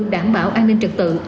đảm bảo an ninh trật tự